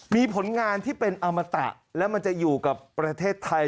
มีผลงานที่เป็นอมตะและมันจะอยู่กับประเทศไทย